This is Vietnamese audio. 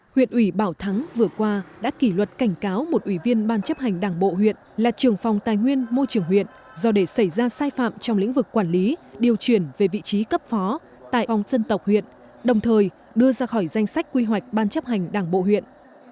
huyện ủy bảo thắng vừa qua đã kỷ luật cảnh cáo một ủy viên ban chấp hành đảng bộ huyện là trường phòng tài nguyên môi trường huyện do để xảy ra sai phạm trong lĩnh vực quản lý điều chuyển về vị trí cấp phó tại phòng dân tộc huyện đồng thời đưa ra khỏi danh sách quy hoạch ban chấp hành đảng bộ huyện